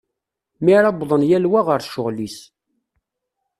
Mi ara wwḍen yal wa ɣer ccɣel-is.